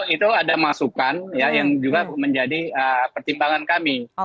itu ada masukan yang juga menjadi pertimbangan kami